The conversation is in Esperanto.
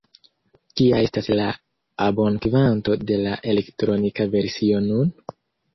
Kia estas la abonkvanto de la elektronika versio nun?